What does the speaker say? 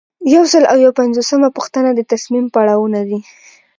یو سل او یو پنځوسمه پوښتنه د تصمیم پړاوونه دي.